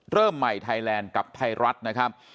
เริ่มใหม่ไทยแลนด์กับไทยรัฐนะครับ